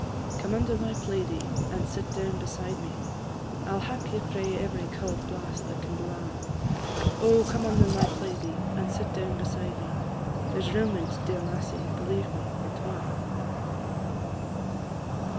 Come under my plaidie, and sit down beside me, I 'll hap ye frae every cauld blast that can blaw: Oh, come under my plaidie, and sit down beside me! There 's room in 't, dear lassie, believe me, for twa."